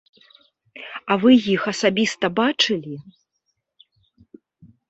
А вы іх асабіста бачылі?